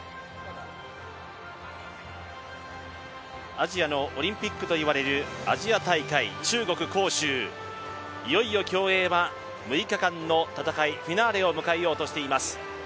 アジアのオリンピックといわれる、アジア大会中国・杭州、いよいよ競泳は６日間の戦いフィナーレを迎えようとしています。